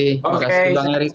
terima kasih bang eriko